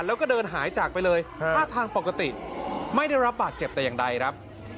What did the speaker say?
แล้วก็เดินหายจากไปเลยท่าทางปกติไม่ได้รับบาดเจ็บแต่อย่างใดครับ